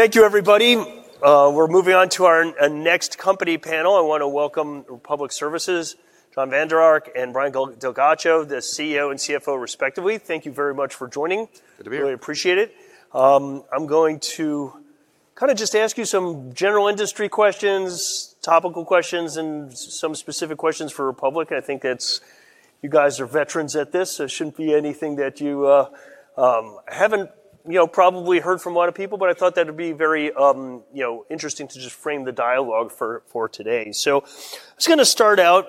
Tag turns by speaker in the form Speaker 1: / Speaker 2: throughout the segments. Speaker 1: Thank you, everybody. We're moving on to our next company panel. I want to welcome Republic Services, Jon Vander Ark and Brian DelGhiaccio, the CEO and CFO, respectively. Thank you very much for joining.
Speaker 2: Good to be here.
Speaker 1: Really appreciate it. I'm going to just ask you some general industry questions, topical questions, and some specific questions for Republic. I think you guys are veterans at this, so it shouldn't be anything that you haven't probably heard from a lot of people, but I thought that it'd be very interesting to just frame the dialogue for today. I was going to start out,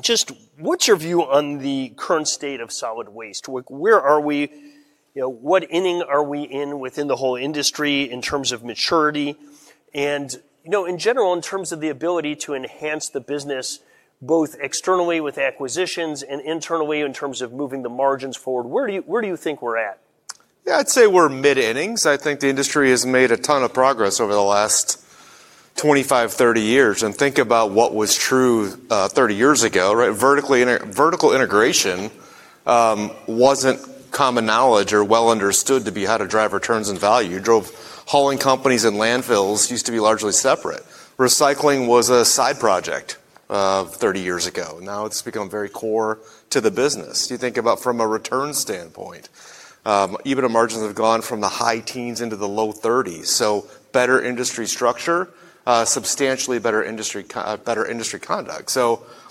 Speaker 1: just what's your view on the current state of solid waste? Where are we? What inning are we in within the whole industry in terms of maturity and, in general, in terms of the ability to enhance the business, both externally with acquisitions and internally in terms of moving the margins forward? Where do you think we're at?
Speaker 2: Yeah, I'd say we're mid-innings. I think the industry has made a ton of progress over the last 25, 30 years. Think about what was true 30 years ago, right? Vertical integration wasn't common knowledge or well understood to be how to drive returns and value. Hauling companies and landfills used to be largely separate. Recycling was a side project 30 years ago. Now it's become very core to the business. You think about from a returns standpoint. EBITDA margins have gone from the high teens into the low 30s. Better industry structure, substantially better industry conduct.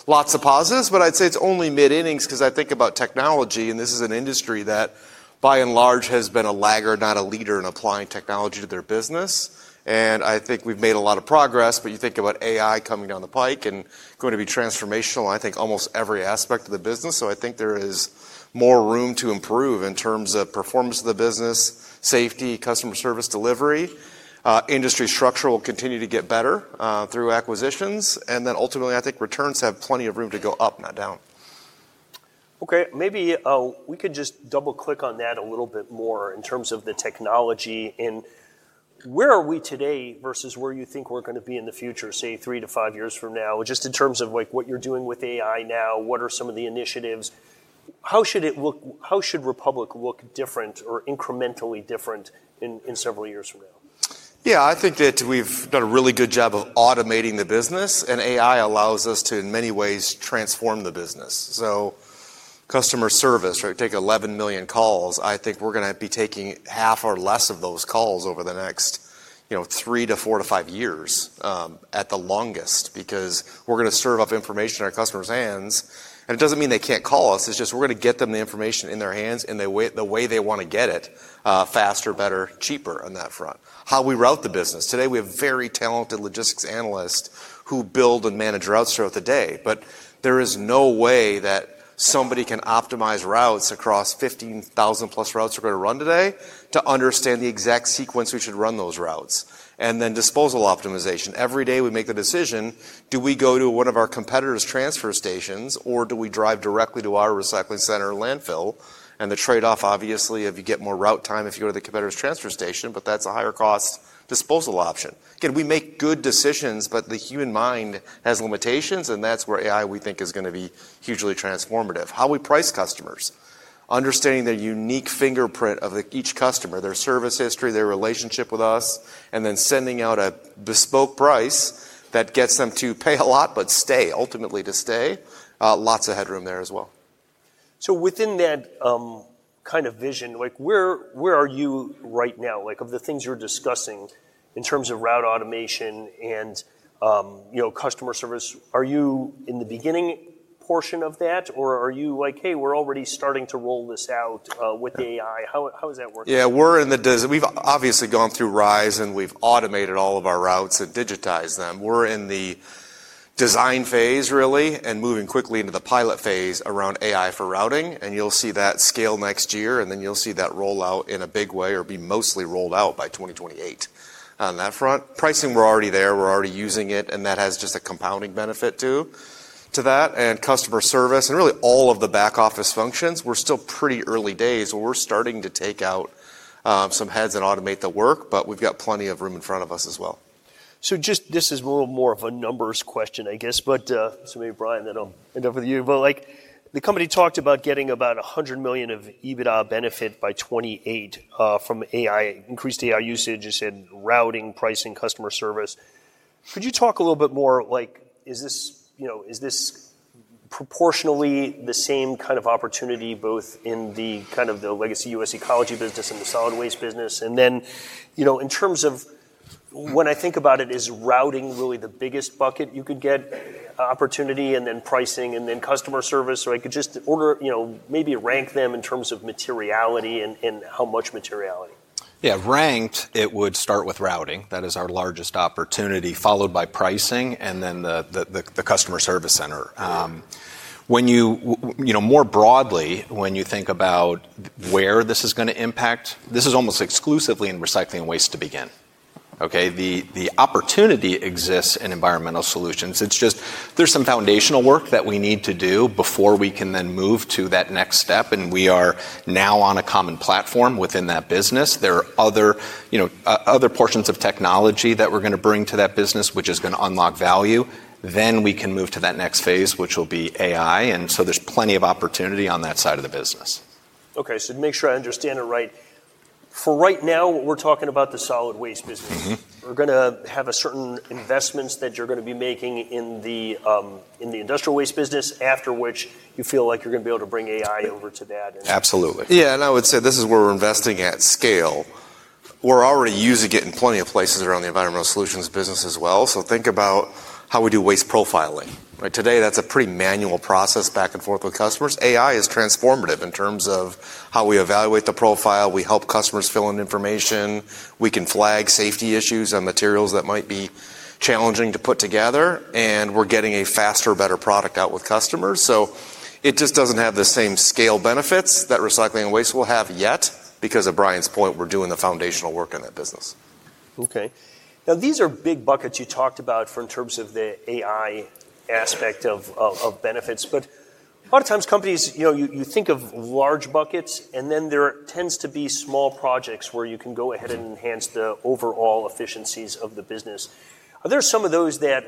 Speaker 2: Lots of positives, but I'd say it's only mid-innings because I think about technology, and this is an industry that by and large has been a laggard, not a leader, in applying technology to their business. I think we've made a lot of progress. You think about AI coming down the pike and going to be transformational, I think, almost every aspect of the business. I think there is more room to improve in terms of performance of the business, safety, customer service delivery. Industry structure will continue to get better through acquisitions. Ultimately, I think returns have plenty of room to go up, not down.
Speaker 1: Okay. Maybe we could just double-click on that a little bit more in terms of the technology. Where are we today versus where you think we're going to be in the future, say, three to five years from now, just in terms of what you're doing with AI now, what are some of the initiatives? How should Republic look different or incrementally different in several years from now?
Speaker 2: I think that we've done a really good job of automating the business. AI allows us to, in many ways, transform the business. Customer service, take 11 million calls. I think we're going to be taking half or less of those calls over the next three to four to five years at the longest. Because we're going to serve up information in our customers' hands. It doesn't mean they can't call us, it's just we're going to get them the information in their hands and the way they want to get it, faster, better, cheaper on that front. How we route the business. Today, we have very talented logistics analysts who build and manage routes throughout the day. [But] there is no way that somebody can optimize routes across 15,000+ routes we're going to run today to understand the exact sequence we should run those routes. Disposal optimization. Every day, we make the decision, do we go to one of our competitors' transfer stations, or do we drive directly to our recycling center landfill? The trade-off, obviously, if you get more route time, if you go to the competitor's transfer station, that's a higher-cost disposal option. Again, we make good decisions, the human mind has limitations, that's where AI, we think, is going to be hugely transformative. How we price customers. Understanding the unique fingerprint of each customer, their service history, their relationship with us, sending out a bespoke price that gets them to pay a lot, but stay, ultimately to stay. Lots of headroom there as well.
Speaker 1: [So] within that kind of vision, where are you right now? Of the things you're discussing in terms of route automation and customer service, are you in the beginning portion of that, or are you like, "Hey, we're already starting to roll this out with AI"? How is that working?
Speaker 2: Yeah. We've obviously gone through RISE and we've automated all of our routes and digitized them. We're in the design phase, really, and moving quickly into the pilot phase around AI for routing, and you'll see that scale next year, and then you'll see that roll out in a big way or be mostly rolled out by 2028 on that front. Pricing, we're already there, we're already using it, and that has just a compounding benefit, too, to that. Customer service, and really all of the back-office functions, we're still pretty early days, but we're starting to take out some heads and automate the work, but we've got plenty of room in front of us as well.
Speaker 1: Just, this is a little more of a numbers question, I guess, but this may be Brian, then I'll end up with you. The company talked about getting about $100 million of EBITDA benefit by 2028 from AI, increased AI usage. You said routing, pricing, customer service. Could you talk a little bit more, is this proportionally the same kind of opportunity both in the legacy U.S. Ecology business and the solid waste business? In terms of when I think about it, is routing really the biggest bucket you could get opportunity and then pricing and then customer service? Or could you just order, maybe rank them in terms of materiality and how much materiality?
Speaker 3: Yeah. Ranked, it would start with routing. That is our largest opportunity, followed by pricing and then the customer service center. More broadly, when you think about where this is going to impact, this is almost exclusively in Recycling and Waste to begin. Okay? The opportunity exists in Environmental Solutions. It's just there's some foundational work that we need to do before we can then move to that next step, and we are now on a common platform within that business. There are other portions of technology that we're going to bring to that business, which is going to unlock value. We can move to that next phase, which will be AI, there's plenty of opportunity on that side of the business.
Speaker 1: Okay, to make sure I understand it right. For right now, we're talking about the solid waste business. We're going to have certain investments that you're going to be making in the industrial waste business, after which you feel like you're going to be able to bring AI over to that.
Speaker 2: Absolutely. Yeah, I would say this is where we're investing at scale. We're already using it in plenty of places around the Environmental Solutions business as well. Think about how we do waste profiling. Today, that's a pretty manual process back and forth with customers. AI is transformative in terms of how we evaluate the profile. We help customers fill in information. We can flag safety issues on materials that might be challenging to put together, we're getting a faster, better product out with customers. It just doesn't have the same scale benefits that Recycling and Waste will have yet. Because of Brian's point, we're doing the foundational work in that business.
Speaker 1: Okay. These are big buckets you talked about in terms of the AI aspect of benefits, a lot of times companies, you think of large buckets, there tends to be small projects where you can go ahead and enhance the overall efficiencies of the business. Are there some of those that,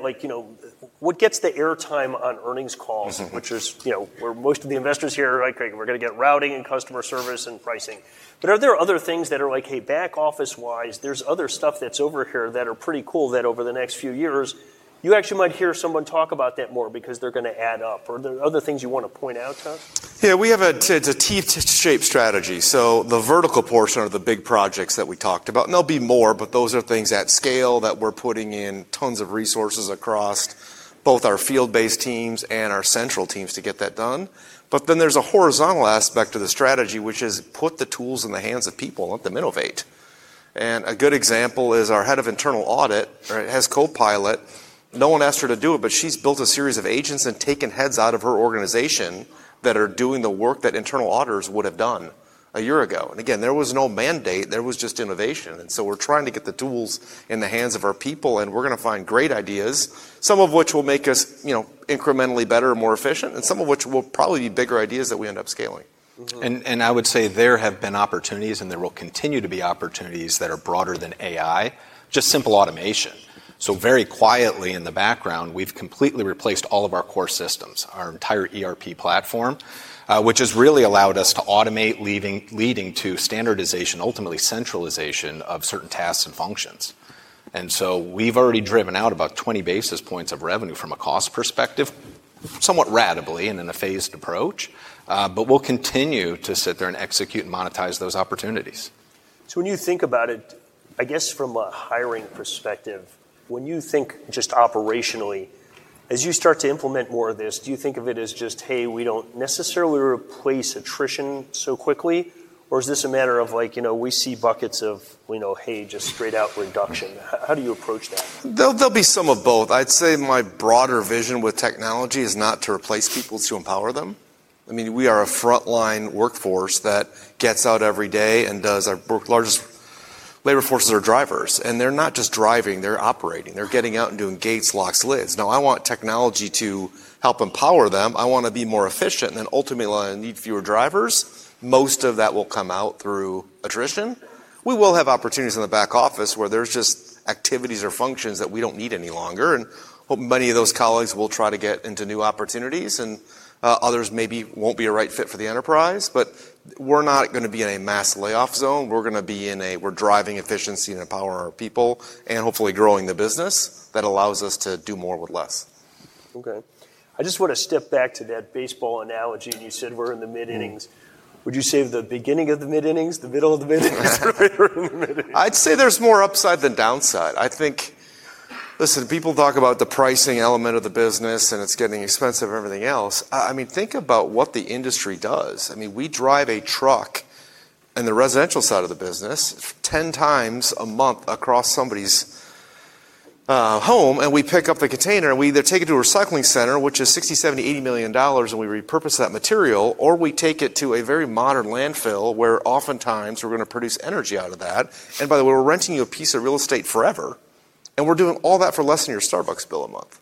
Speaker 1: what gets the air time on earnings calls? which is where most of the investors here are like, "We're going to get routing and customer service and pricing." Are there other things that are like, hey, back office-wise, there's other stuff that's over here that are pretty cool that over the next few years, you actually might hear someone talk about that more because they're going to add up. Are there other things you want to point out, [Jon]?
Speaker 2: Yeah, we have a T-shaped strategy. The vertical portion are the big projects that we talked about, and there'll be more, but those are things at scale that we're putting in tons of resources across both our field-based teams and our central teams to get that done. There's a horizontal aspect to the strategy, which is put the tools in the hands of people and let them innovate. A good example is our head of internal audit has Copilot. No one asked her to do it, but she's built a series of agents and taken heads out of her organization that are doing the work that internal auditors would have done a year ago. Again, there was no mandate, there was just innovation. We're trying to get the tools in the hands of our people, and we're going to find great ideas, some of which will make us incrementally better and more efficient, and some of which will probably be bigger ideas that we end up scaling.
Speaker 3: I would say there have been opportunities, and there will continue to be opportunities that are broader than AI, just simple automation. Very quietly in the background, we've completely replaced all of our core systems, our entire ERP platform, which has really allowed us to automate, leading to standardization, ultimately centralization of certain tasks and functions. We've already driven out about 20 basis points of revenue from a cost perspective, somewhat ratably and in a phased approach. We'll continue to sit there and execute and monetize those opportunities.
Speaker 1: When you think about it, I guess from a hiring perspective, when you think just operationally, as you start to implement more of this, do you think of it as just, hey, we don't necessarily replace attrition so quickly? Or is this a matter of we see buckets of, hey, just straight out reduction? How do you approach that?
Speaker 2: There'll be some of both. I'd say my broader vision with technology is not to replace people, it's to empower them. We are a frontline workforce that gets out every day and largest labor force are drivers, and they're not just driving, they're operating. They're getting out and doing gates, locks, lids. I want technology to help empower them. I want to be more efficient and then ultimately, I need fewer drivers. Most of that will come out through attrition. We will have opportunities in the back office where there's just activities or functions that we don't need any longer, and hope many of those colleagues will try to get into new opportunities, and others maybe won't be a right fit for the enterprise. We're not going to be in a mass layoff zone. We're going to be in a, we're driving efficiency and empowering our people and hopefully growing the business. That allows us to do more with less.
Speaker 1: Okay. I just want to step back to that baseball analogy. You said we're in the mid-innings. Would you say the beginning of the mid-innings, the middle of the mid-innings, or the later mid-innings?
Speaker 2: I'd say there's more upside than downside. I think, listen, people talk about the pricing element of the business, and it's getting expensive and everything else. Think about what the industry does. We drive a truck in the residential side of the business 10 times a month across somebody's home, and we pick up the container, and we either take it to a recycling center, which is $60 million, $70 million, $80 million, and we repurpose that material, or we take it to a very modern landfill where oftentimes we're going to produce energy out of that. By the way, we're renting you a piece of real estate forever, and we're doing all that for less than your Starbucks bill a month.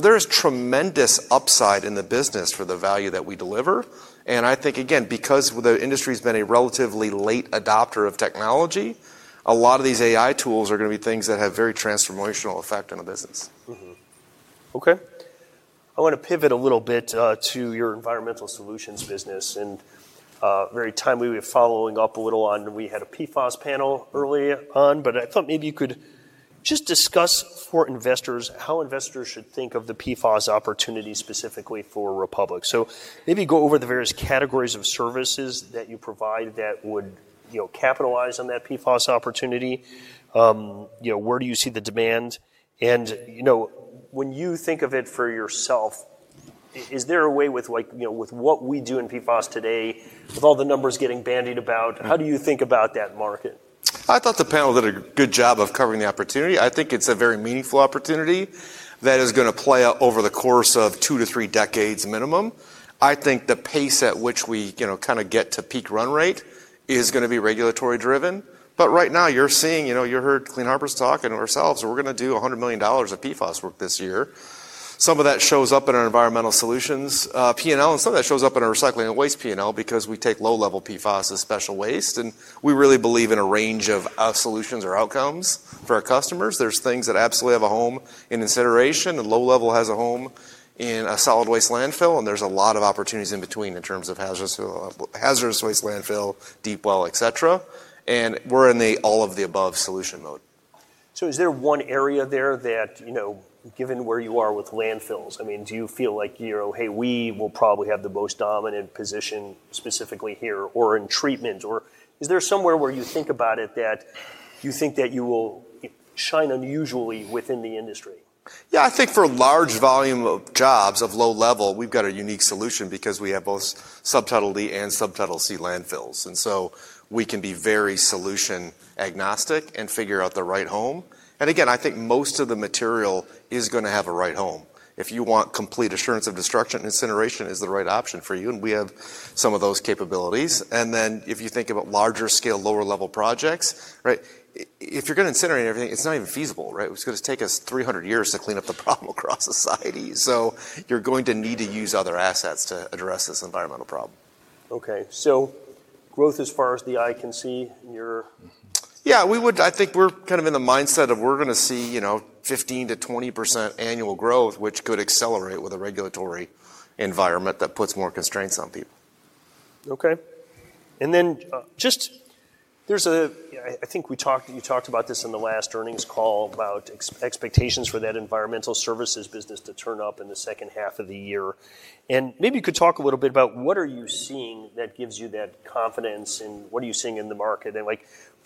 Speaker 2: There is tremendous upside in the business for the value that we deliver, and I think, again, because the industry's been a relatively late adopter of technology, a lot of these AI tools are going to be things that have very transformational effect on the business.
Speaker 1: Mm-hmm. Okay. I want to pivot a little bit to your Environmental Solutions business. Very timely, we're following up a little on, we had a PFAS panel earlier on, but I thought maybe you could just discuss for investors how investors should think of the PFAS opportunity specifically for Republic. Maybe go over the various categories of services that you provide that would capitalize on that PFAS opportunity. Where do you see the demand? When you think of it for yourself, is there a way with what we do in PFAS today, with all the numbers getting bandied about, how do you think about that market?
Speaker 2: I thought the panel did a good job of covering the opportunity. I think it's a very meaningful opportunity that is going to play out over the course of two to three decades minimum. I think the pace at which we kind of get to peak run rate is going to be regulatory driven. Right now, you're seeing, you heard Clean Harbors talk and ourselves, we're going to do $100 million of PFAS work this year. Some of that shows up in our Environmental Solutions P&L, and some of that shows up in our Recycling and Waste P&L because we take low-level PFAS as special waste, and we really believe in a range of solutions or outcomes for our customers. There's things that absolutely have a home in incineration, and low level has a home in a solid waste landfill, and there's a lot of opportunities in between in terms of hazardous waste landfill, deep well, et cetera. We're in the all of the above solution mode.
Speaker 1: Is there one area there that, given where you are with landfills, do you feel like, "We will probably have the most dominant position specifically here," or in treatment? Is there somewhere where you think about it that you think that you will shine unusually within the industry?
Speaker 2: I think for a large volume of jobs of low level, we've got a unique solution because we have both Subtitle D and Subtitle C landfills. We can be very solution agnostic and figure out the right home. Again, I think most of the material is going to have a right home. If you want complete assurance of destruction, incineration is the right option for you, and we have some of those capabilities. If you think about larger scale, lower level projects, if you're going to incinerate everything, it's not even feasible. It's going to take us 300 years to clean up the problem across society. You're going to need to use other assets to address this environmental problem.
Speaker 1: Okay. Growth as far as the eye can see in your.
Speaker 2: Yeah, I think we're kind of in the mindset of we're going to see 15%-20% annual growth, which could accelerate with a regulatory environment that puts more constraints on people.
Speaker 1: Okay. I think you talked about this in the last earnings call about expectations for that environmental services business to turn up in the second half of the year. Maybe you could talk a little bit about what are you seeing that gives you that confidence, and what are you seeing in the market?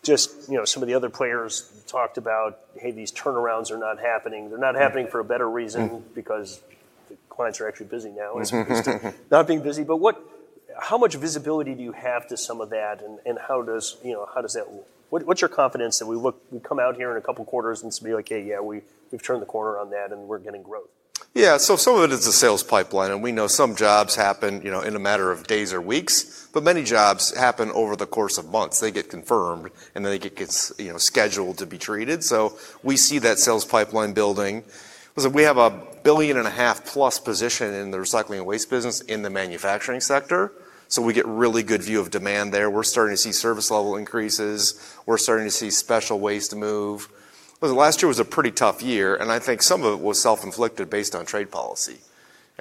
Speaker 1: Just some of the other players talked about, hey, these turnarounds are not happening. They're not happening for a better reason because the clients are actually busy now as opposed to not being busy. How much visibility do you have to some of that, and what's your confidence that we come out here in a couple of quarters and be like, "Hey, yeah, we've turned the corner on that, and we're getting growth?
Speaker 2: Yeah. Some of it is the sales pipeline, and we know some jobs happen in a matter of days or weeks, but many jobs happen over the course of months. They get confirmed, then it gets scheduled to be treated. We see that sales pipeline building. Listen, we have a billion and a half plus position in the Recycling and Waste business in the manufacturing sector. We get really good view of demand there. We're starting to see service level increases. We're starting to see special waste move. Last year was a pretty tough year, and I think some of it was self-inflicted based on trade policy.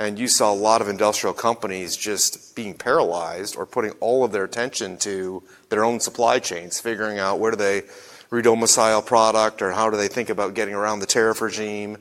Speaker 2: You saw a lot of industrial companies just being paralyzed or putting all of their attention to their own supply chains, figuring out where do they re-domicile product, or how do they think about getting around the tariff regime.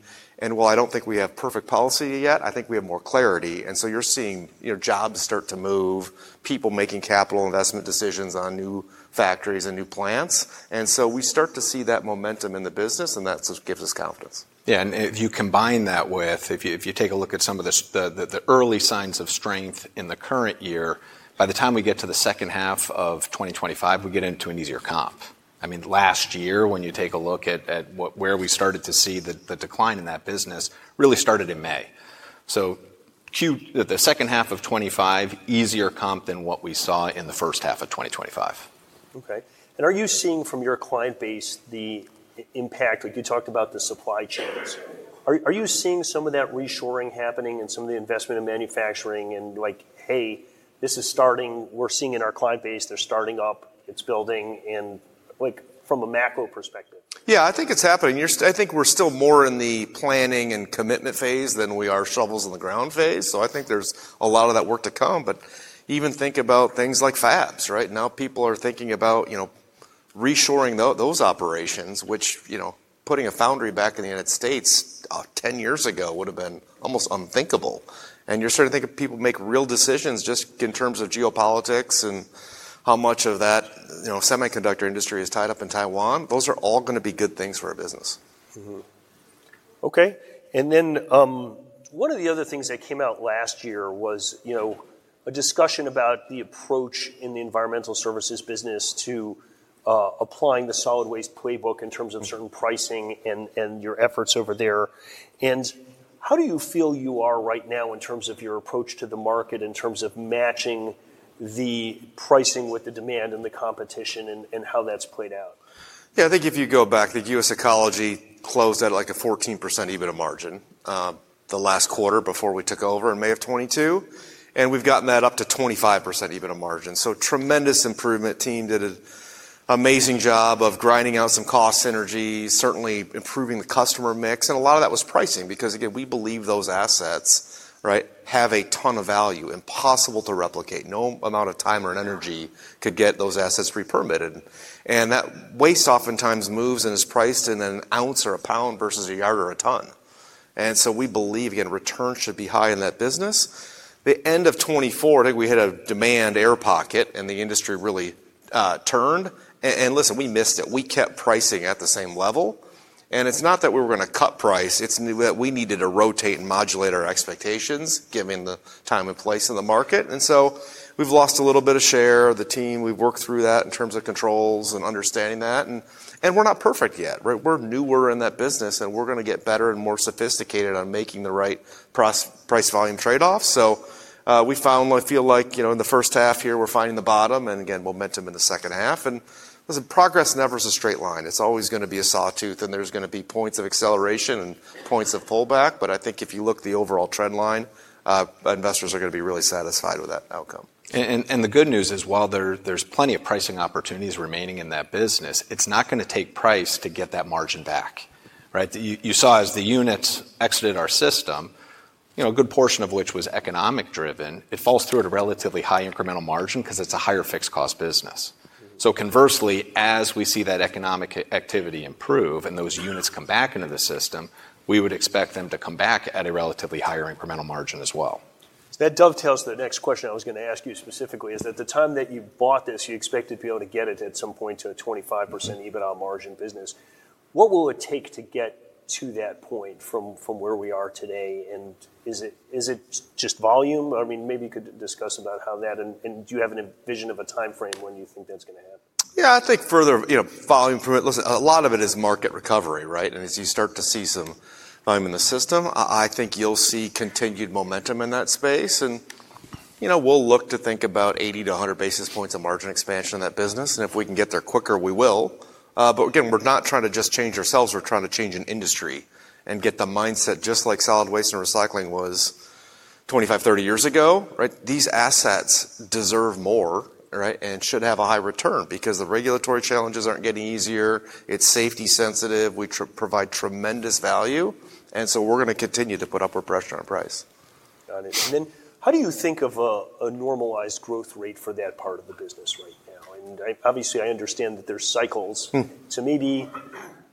Speaker 2: While I don't think we have perfect policy yet, I think we have more clarity, you're seeing jobs start to move, people making capital investment decisions on new factories and new plants. We start to see that momentum in the business, and that gives us confidence.
Speaker 3: Yeah. If you combine that with, if you take a look at some of the early signs of strength in the current year, by the time we get to the second half of 2025, we get into an easier comp. Last year, when you take a look at where we started to see the decline in that business really started in May. Q, the second half of 2025, easier comp than what we saw in the first half of 2025.
Speaker 1: Okay. Are you seeing from your client base the impact, like you talked about the supply chains? Are you seeing some of that reshoring happening and some of the investment in manufacturing and like, hey, this is starting, we're seeing in our client base, they're starting up, it's building, and from a macro perspective?
Speaker 2: Yeah, I think it's happening. I think we're still more in the planning and commitment phase than we are shovels in the ground phase. I think there's a lot of that work to come. Even think about things like fabs. Now people are thinking about reshoring those operations, which putting a foundry back in the United States 10 years ago would have been almost unthinkable. You're starting to think of people make real decisions just in terms of geopolitics and how much of that semiconductor industry is tied up in Taiwan. Those are all going to be good things for our business.
Speaker 1: Okay. One of the other things that came out last year was a discussion about the approach in the Environmental Solutions business to applying the solid waste playbook in terms of certain pricing and your efforts over there. How do you feel you are right now in terms of your approach to the market, in terms of matching the pricing with the demand and the competition and how that's played out?
Speaker 2: Yeah, I think if you go back to US Ecology closed at a 14% EBITDA margin, the last quarter before we took over in May of 2022, we've gotten that up to 25% EBITDA margin. Tremendous improvement. Team did an amazing job of grinding out some cost synergies, certainly improving the customer mix, and a lot of that was pricing because, again, we believe those assets have a ton of value, impossible to replicate. No amount of time or energy could get those assets re-permitted. That waste oftentimes moves and is priced in an ounce or a pound versus a yard or a ton. We believe, again, returns should be high in that business. The end of 2024, I think we hit a demand air pocket and the industry really turned. Listen, we missed it. We kept pricing at the same level. It's not that we were going to cut price, it's that we needed to rotate and modulate our expectations given the time and place in the market. We've lost a little bit of share. The team, we've worked through that in terms of controls and understanding that. We're not perfect yet. We're newer in that business, and we're going to get better and more sophisticated on making the right price-volume trade-off. We finally feel like in the first half here, we're finding the bottom, again, momentum in the second half. Listen, progress never is a straight line. It's always going to be a sawtooth, and there's going to be points of acceleration and points of pullback. I think if you look at the overall trend line, investors are going to be really satisfied with that outcome.
Speaker 3: The good news is, while there's plenty of pricing opportunities remaining in that business, it's not going to take price to get that margin back. You saw as the units exited our system. A good portion of which was economic driven. It falls through at a relatively high incremental margin because it's a higher fixed cost business. Conversely, as we see that economic activity improve and those units come back into the system, we would expect them to come back at a relatively higher incremental margin as well.
Speaker 1: That dovetails to the next question I was going to ask you specifically, is at the time that you bought this, you expected to be able to get it at some point to a 25% EBITDA margin business. What will it take to get to that point from where we are today, is it just volume? Maybe you could discuss about how that, do you have a vision of a timeframe when you think that's going to happen?
Speaker 2: Yeah, I think further volume from it. Listen, a lot of it is market recovery. As you start to see some volume in the system, I think you'll see continued momentum in that space. We'll look to think about 80-100 basis points of margin expansion in that business, if we can get there quicker, we will. Again, we're not trying to just change ourselves. We're trying to change an industry and get the mindset, just like solid waste and recycling was 25, 30 years ago. These assets deserve more and should have a high return because the regulatory challenges aren't getting easier. It's safety sensitive. We provide tremendous value, we're going to continue to put upward pressure on price.
Speaker 1: Got it. How do you think of a normalized growth rate for that part of the business right now? Obviously I understand that there's cycles. Maybe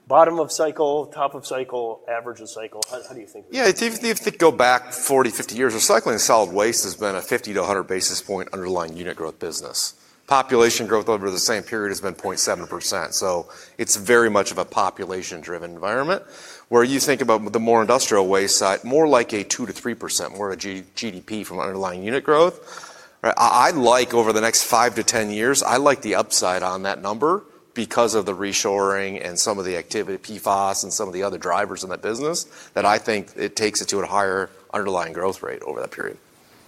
Speaker 1: bottom of cycle, top of cycle, average of cycle. How do you think of that?
Speaker 2: Yeah. If you go back 40, 50 years, recycling solid waste has been a 50-100 basis point underlying unit growth business. Population growth over the same period has been 0.7%, it's very much of a population-driven environment. Where you think about the more industrial waste side, more like a 2%-3% more of GDP from underlying unit growth. Over the next 5-10 years, I like the upside on that number because of the reshoring and some of the activity, PFAS and some of the other drivers in that business, that I think it takes it to a higher underlying growth rate over that period.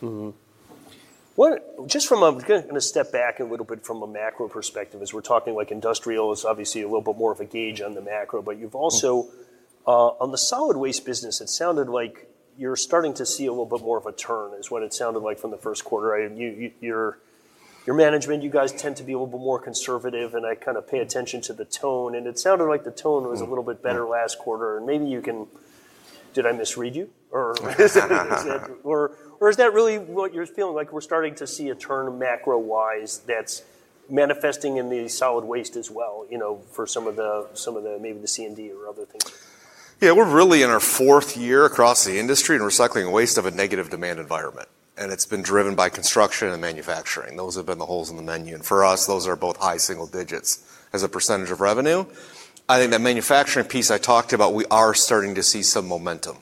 Speaker 1: I'm going to step back a little bit from a macro perspective as we're talking like industrial is obviously a little bit more of a gauge on the macro. You've also, on the solid waste business, it sounded like you're starting to see a little bit more of a turn is what it sounded like from the first quarter. Your management, you guys tend to be a little bit more conservative, and I pay attention to the tone, and it sounded like the tone was a little bit better last quarter. Did I misread you? Or is that really what you're feeling like we're starting to see a turn macro-wise that's manifesting in the solid waste as well, for some of maybe the C&D or other things?
Speaker 2: We're really in our fourth year across the industry in Recycling and Waste of a negative demand environment, it's been driven by construction and manufacturing. Those have been the holes in the menu. For us, those are both high single digits as a percentage of revenue. I think that manufacturing piece I talked about, we are starting to see some momentum,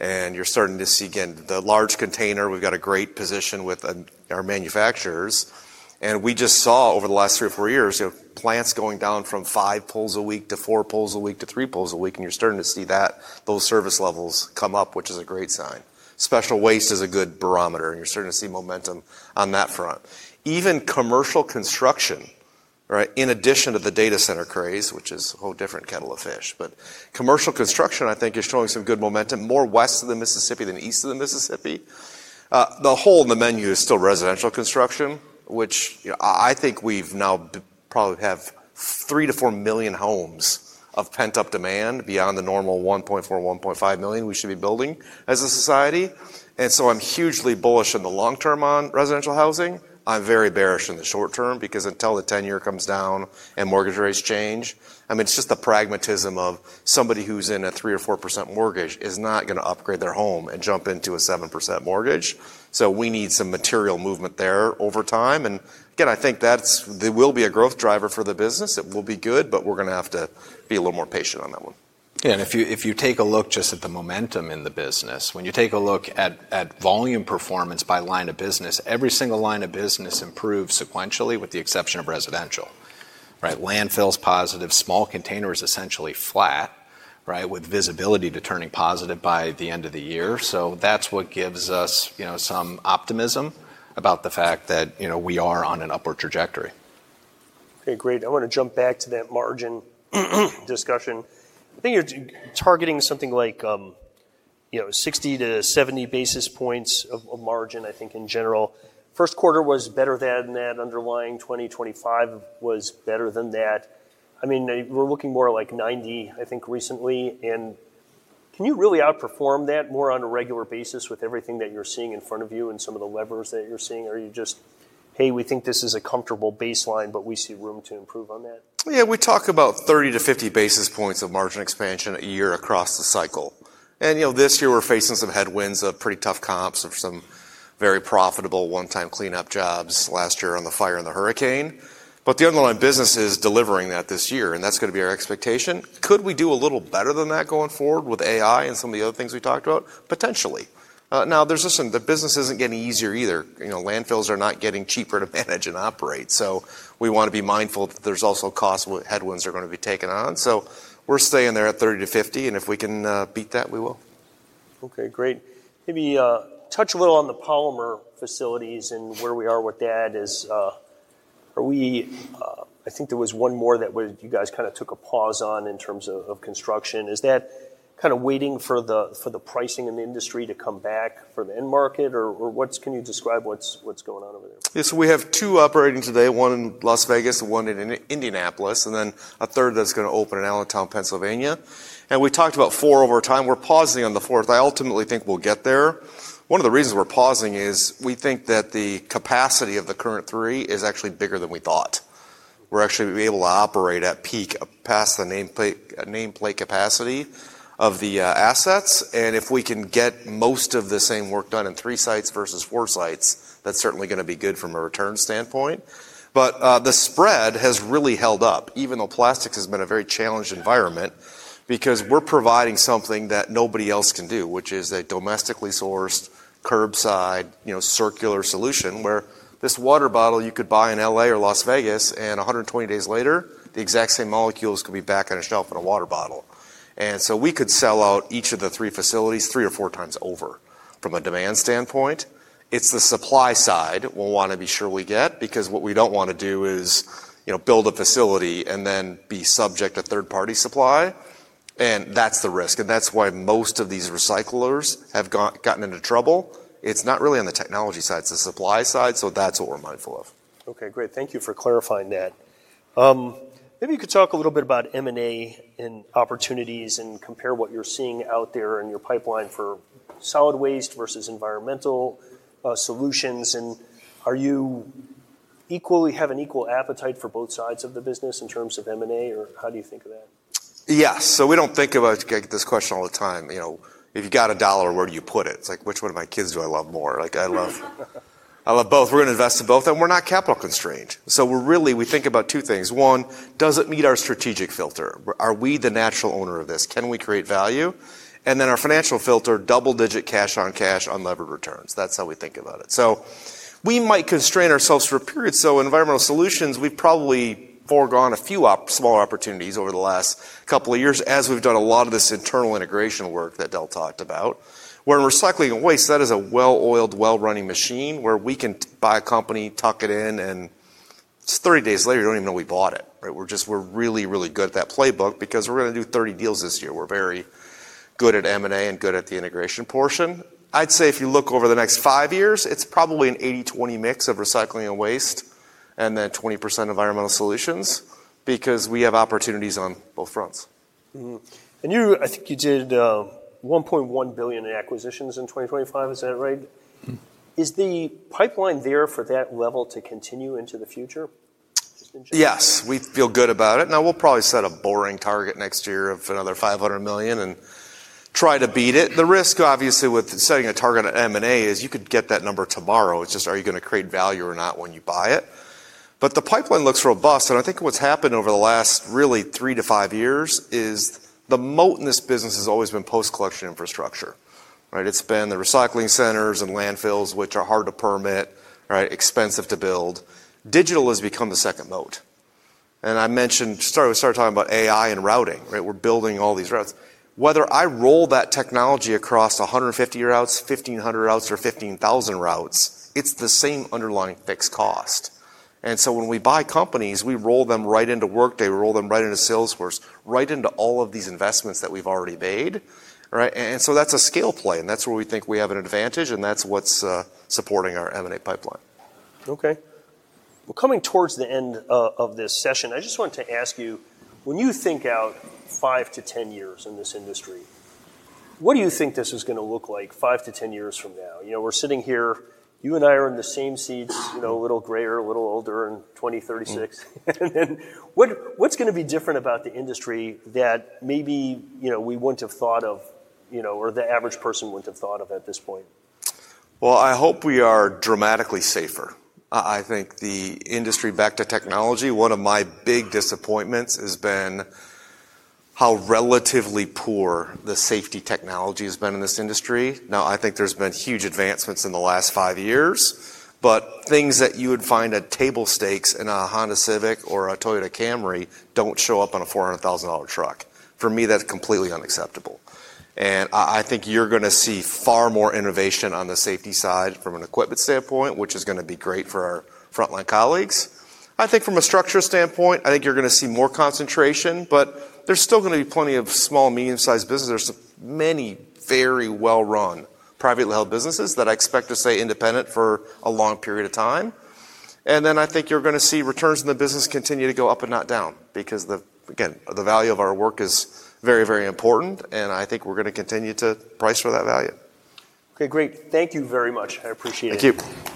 Speaker 2: you're starting to see, again, the large container. We've got a great position with our manufacturers, we just saw over the last three or four years, plants going down from five pulls a week to four pulls a week to three pulls a week, you're starting to see those service levels come up, which is a great sign. Special waste is a good barometer, you're starting to see momentum on that front. Even commercial construction, in addition to the data center craze, which is a whole different kettle of fish. Commercial construction, I think, is showing some good momentum, more west of the Mississippi than east of the Mississippi. The hole in the menu is still residential construction, which I think we now probably have three to four million homes of pent-up demand beyond the normal 1.4, 1.5 million we should be building as a society. I'm hugely bullish in the long term on residential housing. I'm very bearish in the short term because until the 10-year comes down and mortgage rates change, it's just the pragmatism of somebody who's in a 3% or 4% mortgage is not going to upgrade their home and jump into a 7% mortgage. We need some material movement there over time. Again, I think that will be a growth driver for the business. It will be good, we're going to have to be a little more patient on that one.
Speaker 3: Yeah. If you take a look just at the momentum in the business, when you take a look at volume performance by line of business, every single line of business improves sequentially with the exception of residential. Landfill's positive. Small container is essentially flat with visibility to turning positive by the end of the year. That's what gives us some optimism about the fact that we are on an upward trajectory.
Speaker 1: Okay, great. I want to jump back to that margin discussion. I think you're targeting something like 60-70 basis points of margin, I think, in general. First quarter was better than that underlying. 2025 was better than that. We're looking more like 90, I think, recently. Can you really outperform that more on a regular basis with everything that you're seeing in front of you and some of the levers that you're seeing? Are you just, "Hey, we think this is a comfortable baseline, but we see room to improve on that?
Speaker 2: Yeah. We talk about 30-50 basis points of margin expansion a year across the cycle. This year, we're facing some headwinds of pretty tough comps of some very profitable one-time cleanup jobs last year on the fire and the hurricane. The underlying business is delivering that this year, and that's going to be our expectation. Could we do a little better than that going forward with AI and some of the other things we talked about? Potentially. Now, the business isn't getting easier either. Landfills are not getting cheaper to manage and operate. We want to be mindful that there's also cost headwinds are going to be taken on. We're staying there at 30-50, and if we can beat that, we will.
Speaker 1: Okay, great. Maybe touch a little on the polymer facilities and where we are with that as I think there was one more that you guys took a pause on in terms of construction. Is that waiting for the pricing in the industry to come back for the end market or can you describe what's going on over there?
Speaker 2: We have two operating today, one in Las Vegas and one in Indianapolis, and then a third that's going to open in Allentown, Pennsylvania. We talked about four over time. We're pausing on the fourth. I ultimately think we'll get there. One of the reasons we're pausing is we think that the capacity of the current three is actually bigger than we thought. We're actually able to operate at peak, past the nameplate capacity of the assets. If we can get most of the same work done in three sites versus four sites, that's certainly going to be good from a return standpoint. The spread has really held up, even though plastics has been a very challenged environment, because we're providing something that nobody else can do, which is a domestically sourced, curbside, circular solution where this water bottle you could buy in L.A. or Las Vegas, and 120 days later, the exact same molecules could be back on a shelf in a water bottle. We could sell out each of the three facilities three or four times over. From a demand standpoint, it's the supply side we'll want to be sure we get, because what we don't want to do is build a facility and then be subject to third-party supply, and that's the risk. That's why most of these recyclers have gotten into trouble. It's not really on the technology side, it's the supply side. That's what we're mindful of.
Speaker 1: Okay, great. Thank you for clarifying that. Maybe you could talk a little bit about M&A and opportunities and compare what you're seeing out there in your pipeline for solid waste versus Environmental Solutions. Do you equally have an equal appetite for both sides of the business in terms of M&A, or how do you think of that?
Speaker 2: Yeah. I get this question all the time. If you got a dollar, where do you put it? It's like, which one of my kids do I love more? I love both. We're going to invest in both, and we're not capital constrained. Really, we think about two things. One, does it meet our strategic filter? Are we the natural owner of this? Can we create value? Our financial filter, double-digit cash on cash on levered returns. That's how we think about it. We might constrain ourselves for a period. Environmental Solutions, we've probably foregone a few small opportunities over the last couple of years as we've done a lot of this internal integration work that Del talked about. Where in Recycling and Waste, that is a well-oiled, well-running machine where we can buy a company, tuck it in, and it's 30 days later, you don't even know we bought it. We're really, really good at that playbook because we're going to do 30 deals this year. We're very good at M&A and good at the integration portion. I'd say if you look over the next five years, it's probably an 80/20 mix of Recycling and Waste, and then 20% Environmental Solutions because we have opportunities on both fronts.
Speaker 1: I think you did $1.1 billion in acquisitions in 2025. Is that right? Is the pipeline there for that level to continue into the future? Just in general.
Speaker 2: Yes. We feel good about it. Now, we'll probably set a boring target next year of another $500 million and try to beat it. The risk, obviously, with setting a target at M&A is you could get that number tomorrow. It's just are you going to create value or not when you buy it? The pipeline looks robust, and I think what's happened over the last really three to five years is the moat in this business has always been post-collection infrastructure. It's been the recycling centers and landfills, which are hard to permit, expensive to build. Digital has become the second moat. I mentioned, we started talking about AI and routing. We're building all these routes. Whether I roll that technology across 150 routes, 1,500 routes, or 15,000 routes, it's the same underlying fixed cost. When we buy companies, we roll them right into Workday, we roll them right into Salesforce, right into all of these investments that we've already made. That's a scale play, and that's where we think we have an advantage, and that's what's supporting our M&A pipeline.
Speaker 1: Okay. We're coming towards the end of this session. I just wanted to ask you, when you think out 5-10 years in this industry, what do you think this is going to look like 5-10 years from now? We're sitting here, you and I are in the same seats, a little grayer, a little older in 2036. What's going to be different about the industry that maybe we wouldn't have thought of or the average person wouldn't have thought of at this point?
Speaker 2: Well, I hope we are dramatically safer. I think the industry, back to technology, one of my big disappointments has been how relatively poor the safety technology has been in this industry. Now, I think there's been huge advancements in the last five years, but things that you would find a table stakes in a Honda Civic or a Toyota Camry don't show up on a $400,000 truck. For me, that's completely unacceptable. I think you're going to see far more innovation on the safety side from an equipment standpoint, which is going to be great for our frontline colleagues. I think from a structure standpoint, I think you're going to see more concentration, but there's still going to be plenty of small, medium-sized businesses. There's many very well-run, privately held businesses that I expect to stay independent for a long period of time. I think you're going to see returns in the business continue to go up and not down because, again, the value of our work is very, very important, and I think we're going to continue to price for that value.
Speaker 1: Okay, great. Thank you very much. I appreciate it.
Speaker 2: Thank you.